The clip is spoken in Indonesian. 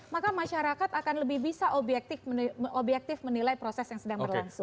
maka masyarakat akan lebih bisa objektif menilai proses yang sedang berlangsung